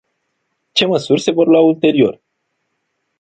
Ce măsuri se vor lua ulterior?